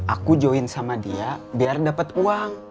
aku join sama dia biar dapat uang